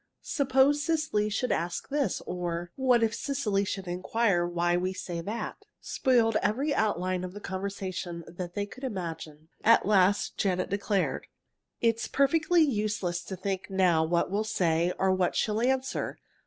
"Suppose Cecily should ask this," or "What if Cecily should inquire why we say that?" spoiled every outline of the conversation that they could imagine. At last Janet declared: "It's perfectly useless to think now what we'll say, or what she'll answer.